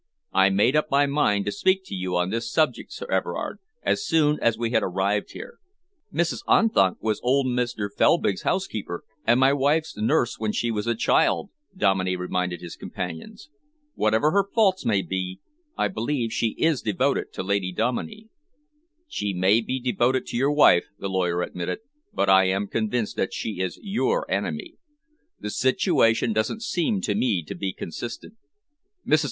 I made up my mind to speak to you on this subject, Sir Everard, as soon as we had arrived here." "Mrs. Unthank was old Mr. Felbrigg's housekeeper and my wife's nurse when she was a child," Dominey reminded his companion. "Whatever her faults may be, I believe she is devoted to Lady Dominey." "She may be devoted to your wife," the lawyer admitted, "but I am convinced that she is your enemy. The situation doesn't seem to me to be consistent. Mrs.